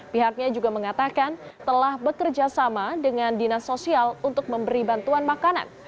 pihaknya juga mengatakan telah bekerja sama dengan dinas sosial untuk memberi bantuan makanan